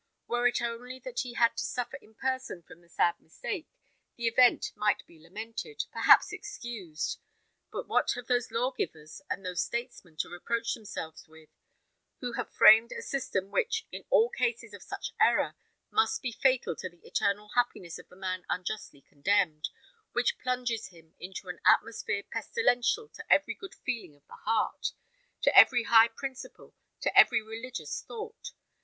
Were it only that he had to suffer in person from the sad mistake, the event might be lamented, perhaps excused. But what have those lawgivers and those statesmen to reproach themselves with, who have framed a system which, in all cases of such error, must be fatal to the eternal happiness of the man unjustly condemned, which plunges him into an atmosphere pestilential to every good feeling of the heart, to every high principle, to every religious thought!